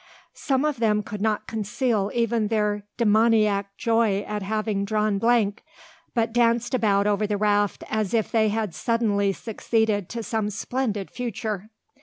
Some of them could not conceal even their demoniac joy at having drawn blank, but danced about over the raft as if they had suddenly succeeded to some splendid fortune.